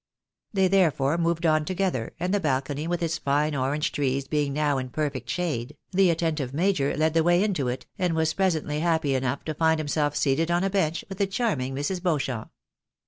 They therefore moved on together, and the balcony with its fine orange trees being now in perfect shade, the attentive major led the way into it, and was presently happy enough to find himself seated on a bench with the charming Mrs. Beauchamp.